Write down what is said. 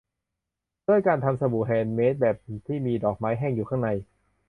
ด้วยการทำสบู่แฮนด์เมดแบบที่มีดอกไม้แห้งอยู่ข้างใน